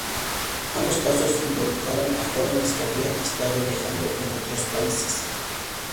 Ambos casos involucraron a jóvenes que habían estado viajando en otros países.